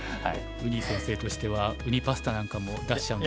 ウニ先生としてはウニパスタなんかも出しちゃう。